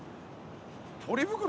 ポリ袋？